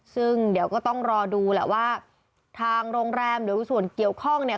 ซึ่งเดี๋ยวก็ต้องรอดูแหละว่าทางโรงแรมหรือส่วนเกี่ยวข้องเนี่ย